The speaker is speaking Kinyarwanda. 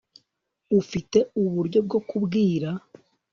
ufite uburyo bwo kubwira